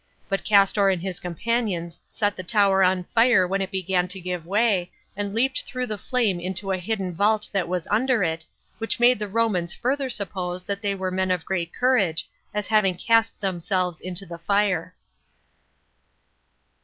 But Castor and his companions set the tower on fire when it began to give way, and leaped through the flame into a hidden vault that was under it, which made the Romans further suppose that they were men of great courage, as having cast themselves into the fire.